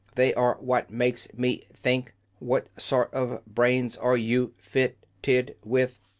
They are what make me think. What sort of brains are you fit ted with?"